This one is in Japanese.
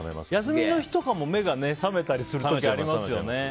休みの日とかも目が覚めたりする時ありますよね。